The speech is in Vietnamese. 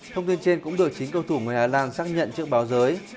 thông tin trên cũng được chính cầu thủ người hà lan xác nhận trước báo giới